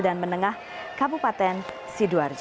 dan menengah kabupaten sidoarjo